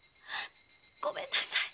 ごめんなさい